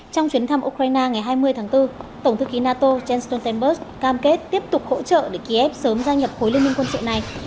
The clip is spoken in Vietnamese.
trong chuyến thăm ukraine ngày hai mươi tháng bốn tổng thư ký nato jens stoltenberg cam kết tiếp tục hỗ trợ để kiev sớm gia nhập khối liên minh quân sự này